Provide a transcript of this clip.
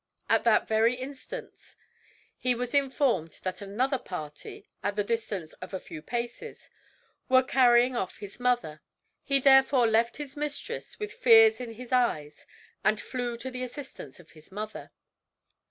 At that very instant he was informed that another party, at the distance of a few paces, were carrying off his mother; he therefore left his mistress with tears in his eyes and flew to the assistance of his mother.